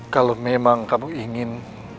kalau memang kamu ingin